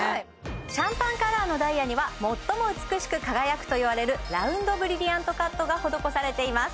シャンパンカラーのダイヤには最も美しく輝くといわれるラウンドブリリアントカットが施されています